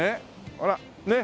ほらねえ。